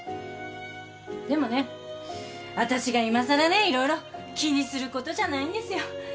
でもね私がいまさらね色々気にすることじゃないんですよ。